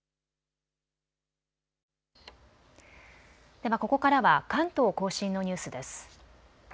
ではここからは関東甲信のニュースです。